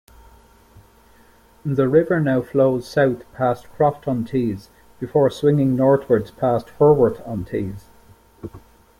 The river now flows south past Croft-on-Tees before swinging northwards past Hurworth-on-Tees.